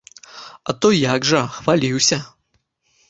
А то як жа, хваліўся.